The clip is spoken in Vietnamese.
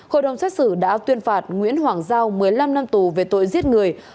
hội đồng xét xử đã tuyên phạt nguyễn hoàng giao một mươi năm năm tù về tội giết người